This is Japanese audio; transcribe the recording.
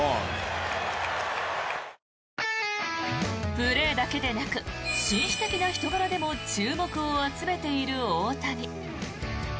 プレーだけでなく紳士的な人柄でも注目を集めている大谷。